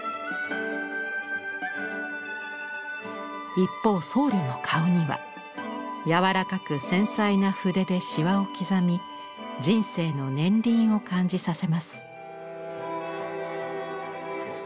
一方僧侶の顔には柔らかく繊細な筆でしわを刻み人生の年輪を感じさせます。